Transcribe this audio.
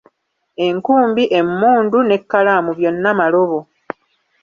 Enkumbi, emmundu n’ekkalaamu byonna malobo.